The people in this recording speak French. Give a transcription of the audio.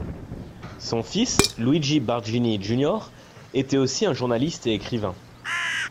Son fils, Luigi Barzini, Jr, était aussi un journaliste et écrivain.